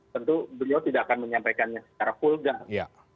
tentu beliau tidak akan menyampaikannya secara vulgar